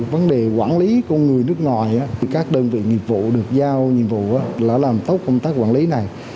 vì vậy các đơn vị nghiệp vụ được giao nhiệm vụ là làm tốt công tác quản lý này